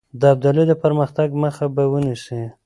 د ابدالي د پرمختګ مخه به ونیسي.